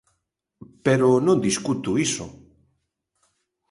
Pero non discuto iso.